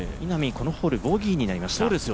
このホールボギーになりました。